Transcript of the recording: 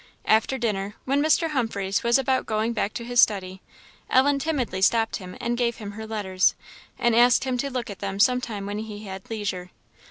After dinner, when Mr. Humphreys was about going back to his study, Ellen timidly stopped him and gave him her letters, and asked him to look at them some time when he had leisure.